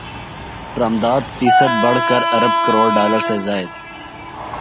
برامدات فیصد بڑھ کر ارب کروڑ ڈالر سے زائد